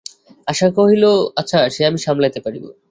আশা কহিল, আচ্ছা, সে আমি সামলাইতে পারিব।